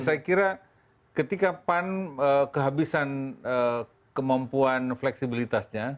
saya kira ketika pan kehabisan kemampuan fleksibilitasnya